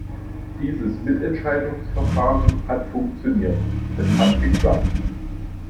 Dieses Mitentscheidungsverfahren hat funktioniert, es hat geklappt.